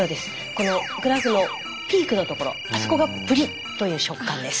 このグラフのピークのところあそこがプリッという食感です。